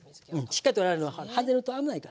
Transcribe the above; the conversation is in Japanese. しっかり取らないとはねると危ないから。